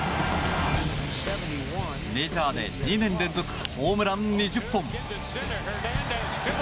メジャーで２年連続ホームラン２０本。